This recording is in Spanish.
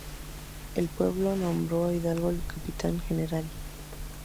El pueblo nombró a Hidalgo capitán general.